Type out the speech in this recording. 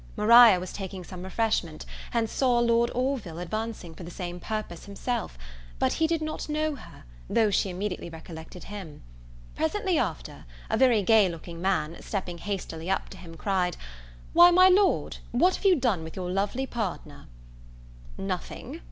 Maria was taking some refreshment, and saw Lord Orville advancing for the same purpose himself; but he did not know her, though she immediately recollected him. Presently after, a very gay looking man, stepping hastily up to him cried, "Why, my Lord, what have you done with your lovely partner?" "Nothing!"